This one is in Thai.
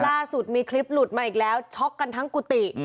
ล่าสุดมีคลิปหลุดมาอีกแล้วช็อกกันทั้งกุฏิ